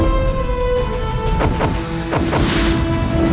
aku akan mencari angin bersamamu